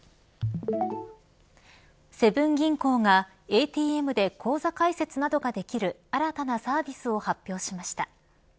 セブン銀行がＡＴＭで口座開設などができる新たなサービスを発表しました。